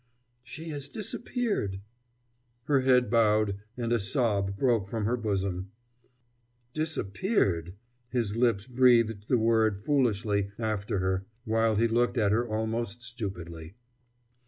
"She has disappeared." Her head bowed, and a sob broke from her bosom. "Disappeared" his lips breathed the word foolishly after her, while he looked at her almost stupidly.